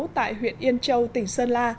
tại huyện yên châu tỉnh sơn la